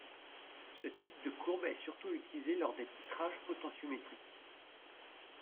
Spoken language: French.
Ce type de courbe est surtout utilisé lors des titrages potentiométriques.